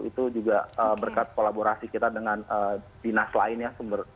itu juga berkat kolaborasi kita dengan dinas lain ya